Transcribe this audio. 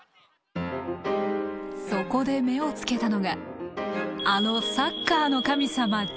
そこで目をつけたのがあのサッカーの神様ジーコ。